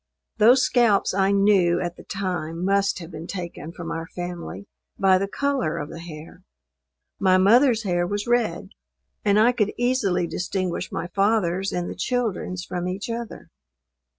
Those scalps I knew at the time must have been taken from our family by the color of the hair. My mother's hair was red; and I could easily distinguish my father's and the children's from each other.